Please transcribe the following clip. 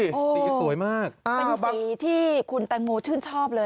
สีสวยมากเป็นสีที่คุณแตงโมชื่นชอบเลย